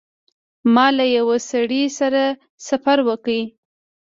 ما له یوه سړي سره سفر وکړ.